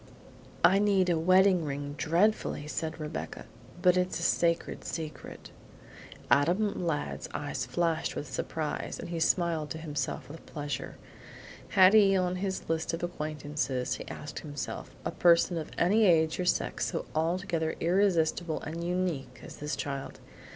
"I need a wedding ring dreadfully," said Rebecca, "but it's a sacred secret." Adam Ladd's eyes flashed with surprise and he smiled to himself with pleasure. Had he on his list of acquaintances, he asked himself, a person of any age or sex so altogether irresistible and unique as this child?